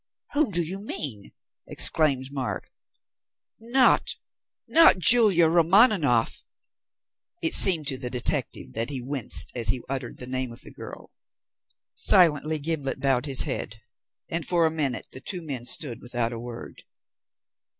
"Whom do you mean?" exclaimed Mark, "not not Julia Romaninov?" It seemed to the detective that he winced as he uttered the name of the girl. Silently Gimblet bowed his head, and for a minute the two men stood without a word.